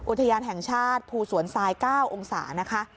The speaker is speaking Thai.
อุทยานแห่งชาติภูสวนทราย๙องศานะคะ